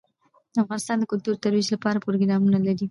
افغانستان د کلتور د ترویج لپاره پروګرامونه لري.